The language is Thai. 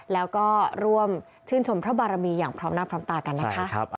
แล้วก็ร่วมชื่นชมพระบารมีอย่างพร้อมหน้าพร้อมตากันนะคะ